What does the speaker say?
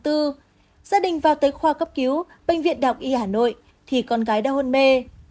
gia đình vào tới khoa cấp cứu bệnh viện đh y hà nội thì con gái đã hôn mê